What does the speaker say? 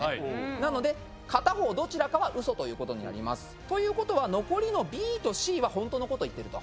なので片方どちらかはウソということになります。ということは残りのＢとＣは本当のことを言ってる。